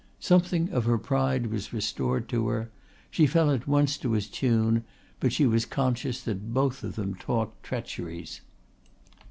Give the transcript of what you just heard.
Something of her pride was restored to her. She fell at once to his tune, but she was conscious that both of them talked treacheries.